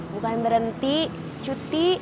bukan berhenti cuti